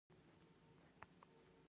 کثافات باید په خځلۍ کې واچول شي